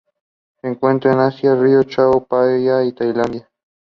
Giese grew up in Bautzen.